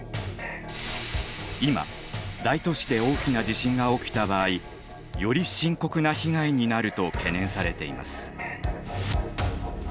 今大都市で大きな地震が起きた場合より深刻な被害になると懸念されています。